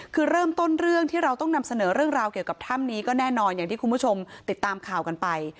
คือเริ่มต้นเรื่องที่เราต้องนำเสนอเรื่องราวเกี่ยวกับถ้ำนี้ก็แน่นอนอย่างที่คุณผู้ชมติดตามข่าวกันไป